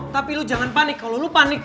tapi lu jangan panik kalau lo panik